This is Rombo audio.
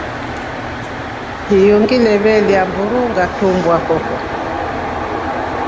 Hiyo ngile veelya mburu ngatumbwa koko.